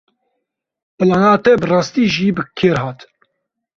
Plana te bi rastî jî bi kêr hat.